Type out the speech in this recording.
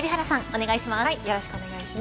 お願いします。